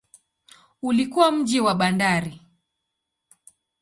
Ulikuwa mji wa bandari.